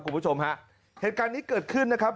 คุณผู้ชมฮะเหตุการณ์นี้เกิดขึ้นนะครับ